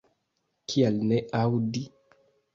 Kial ne aŭdi?